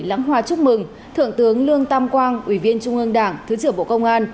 lãng hoa chúc mừng thượng tướng lương tam quang ủy viên trung ương đảng thứ trưởng bộ công an